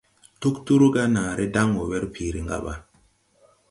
Tugturu ga naaré daŋ wɔ werpiiri ngaba.